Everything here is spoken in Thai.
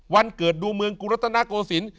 วันเกิดดวงเมืองกุรัฐนาโกสิน